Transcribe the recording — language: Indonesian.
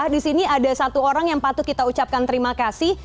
di sini ada satu orang yang patut kita ucapkan terima kasih